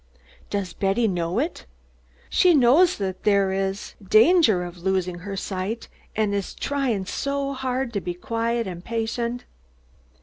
"Does Betty know it?" "She knows that there is dangah of her losing her sight, and is tryin' so hahd to be quiet and patient."